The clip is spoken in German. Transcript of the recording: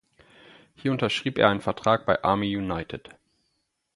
Hier unterschrieb er einen Vertrag bei Army United.